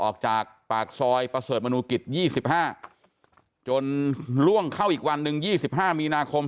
ออกจากปากซอยประเสริฐมนุกิจยี่สิบห้าจนล่วงเข้าอีกวันหนึ่งยี่สิบห้ามีนาคม